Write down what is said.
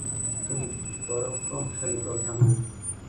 তুমি পরাক্রমশালী, প্রজ্ঞাময়।